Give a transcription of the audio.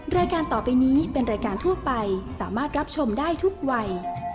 รายการต่อไปนี้เป็นรายการทั่วไปสามารถรับชมได้ทุกวัย